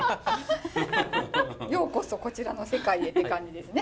ようこそこちらの世界へって感じですね。